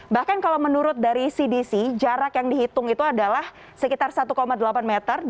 bahkan kalau menurut dari cdc jarak yang dihitung itu adalah sekitar satu delapan meter